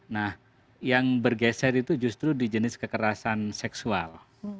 nah yang bergeser itu justru di jenis kekerasan seksual